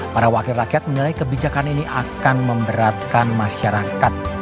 para wakil rakyat menilai kebijakan ini akan memberatkan masyarakat